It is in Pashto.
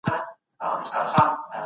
دا ونه له هغې لويه ده.